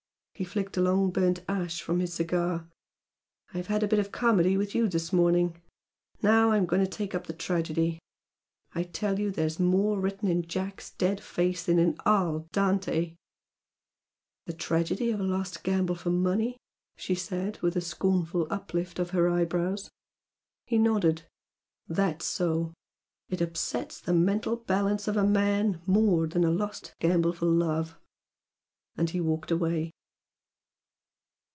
He flicked a long burnt ash from his cigar. "I've had a bit of comedy with you this morning now I'm going to take up tragedy! I tell you there's more written in Jack's dead face than in all Dante!" "The tragedy of a lost gamble for money!" she said, with a scornful uplift of her eyebrows. He nodded. "That's so! It upsets the mental balance of a man more than a lost gamble for love!" And he walked away.